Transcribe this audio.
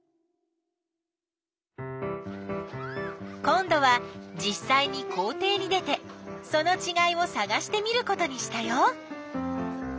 今どはじっさいに校ていに出てそのちがいをさがしてみることにしたよ。